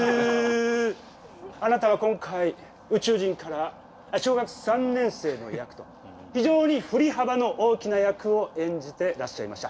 あなたは今回宇宙人から小学３年生の役と非常に振り幅の大きな役を演じてらっしゃいました。